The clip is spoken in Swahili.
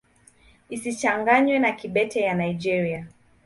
Isichanganywe na Kibete ya Nigeria.